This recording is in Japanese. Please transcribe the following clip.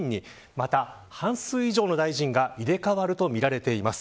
また半数以上の大臣が入れ替わるとみられています。